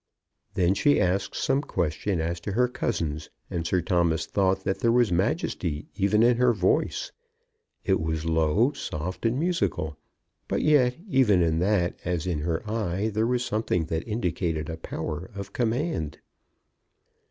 Then she asked some question as to her cousins, and Sir Thomas thought that there was majesty even in her voice. It was low, soft, and musical; but yet, even in that as in her eye, there was something that indicated a power of command.